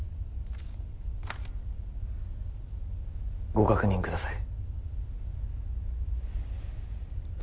ご確認ください